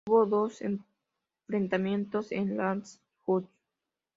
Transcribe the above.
Hubo dos enfrentamientos en Landshut.